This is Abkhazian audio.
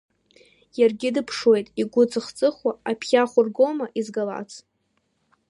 Иаргьы дыԥшуеит игәы цыхцыхуа, аԥхьахә ргома изгалац.